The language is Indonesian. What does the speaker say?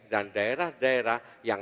dan daerah daerah yang